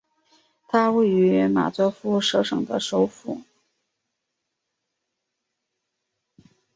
它位于马佐夫舍省的首府。